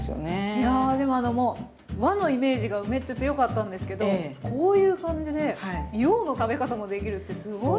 いやでもあのもう和のイメージが梅って強かったんですけどこういう感じで洋の食べ方もできるってすごい。